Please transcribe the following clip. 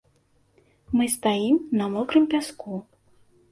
Мы стаім на мокрым пяску.